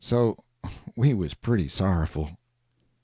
So we was pretty sorrowful.